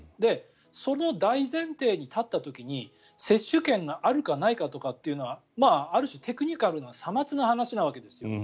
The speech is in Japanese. その大前提に立った時に接種券があるかないかとかっていうのはある種、テクニカルな些末の話なわけですよ。